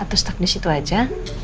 atau stuck di situ aja